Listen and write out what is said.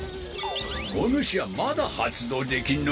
お主はまだ発動できんのか。